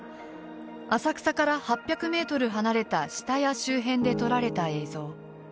浅草から８００メートル離れた下谷周辺で撮られた映像。